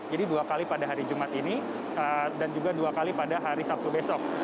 jadi dua kali pada hari jumat ini dan juga dua kali pada hari sabtu besok